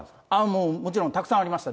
もうもちろんたくさんありました。